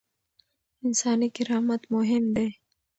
انساني کرامت مهم دی.